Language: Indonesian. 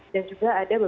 dan juga ada beban